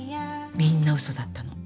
みんなウソだったの。